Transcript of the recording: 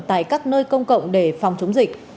tại các nơi công cộng để phòng chống dịch